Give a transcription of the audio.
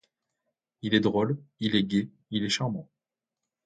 Il est drôle, il est gai, il est charmant.